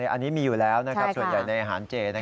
อันนี้มีอยู่แล้วส่วนใหญ่ในอาหารเจ